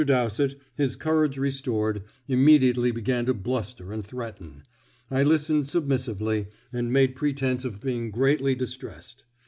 Dowsett, his courage restored, immediately began to bluster and threaten. I listened submissively, and made pretence of being greatly distressed.